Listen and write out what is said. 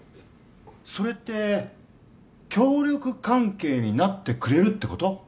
それって協力関係になってくれるってこと？